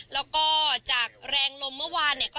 แล้วก็จากแรงลมเมื่อวานเนี่ย